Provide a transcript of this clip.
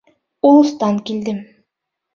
— Улустан килдем.